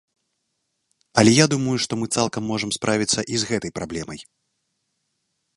Але я думаю, што мы цалкам можам справіцца і з гэтай праблемай.